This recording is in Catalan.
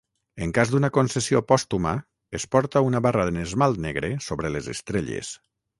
En cas d'una concessió pòstuma es porta una barra en esmalt negre sobre les estrelles.